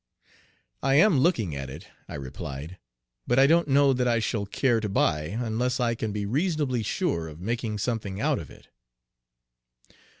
"I am looking at it," I replied; "but I don't know that I shall care to buy unless I can be reasonably sure of making something out of it."